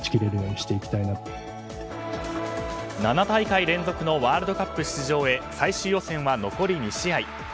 ７大会連続のワールドカップ出場へ最終予選は残り２試合。